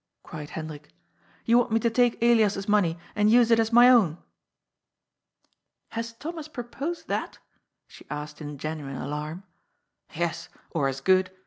cried Hendrik. ^'You want me to take Elias's money and use it as my own!^ ''Has Thomas proposed that?" she asked in genuine darm. " Yes, or as good.